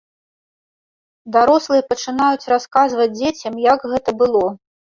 Дарослыя пачынаюць расказваць дзецям, як гэта было.